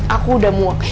aku udah muak